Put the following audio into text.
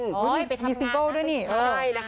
มีซิงโก้ด้วยนี่